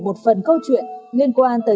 một phần câu chuyện liên quan tới